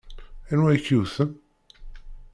Anwa i k-yewwten?